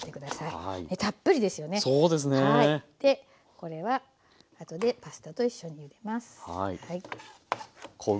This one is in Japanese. これは後でパスタと一緒にゆでます。